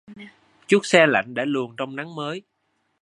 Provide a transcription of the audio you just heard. Chút se lạnh đã luồn trong nắng mới